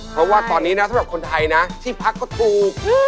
เพราะว่าตอนนี้นะสำหรับคนไทยนะที่พักก็ถูก